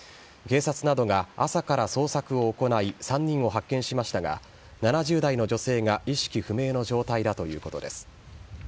警察などが朝から捜索を行い、３人を発見しましたが、７０代の女性が意識不明の状態だということです。